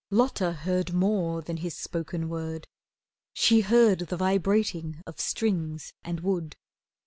Lotta heard more than his spoken word. She heard the vibrating of strings and wood.